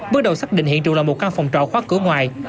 bước đầu xác định hiện trường là một căn phòng trọ khóa cửa ngoài